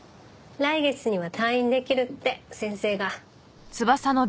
来月には退院できるって先生が。